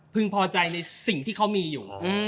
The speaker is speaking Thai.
พอใจในสิ่งที่เขามีอยู่